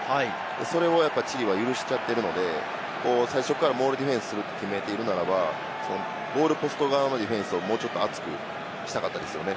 それをチリは許しちゃってるので、最初からモールディフェンスすると決めているのはゴールポスト側のディフェンスを厚くしたかったですよね。